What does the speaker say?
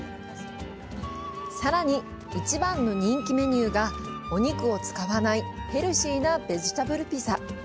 さらに、一番の人気メニューが、お肉を使わない、ヘルシーなベジタブルピザ。